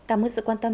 cảm ơn sự quan tâm